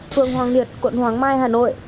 phường hoàng liệt quận hoàng mai hà nội